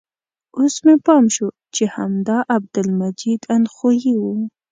اوس مې پام شو چې همدا عبدالمجید اندخویي و.